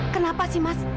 kenapa sih mas